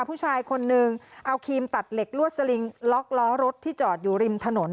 ผู้ชายคนนึงเอาครีมตัดเหล็กลวดสลิงล็อกล้อรถที่จอดอยู่ริมถนน